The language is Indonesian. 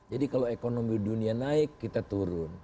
jadi kalau ekonomi dunia naik kita turun